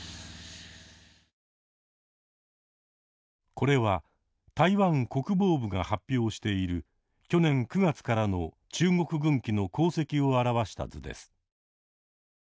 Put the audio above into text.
これは台湾国防部が発表している去年９月からの中国軍機の航跡を表した図です。